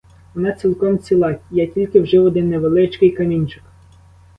Вона цілком ціла, я тільки вжив один невеличкий камінчик.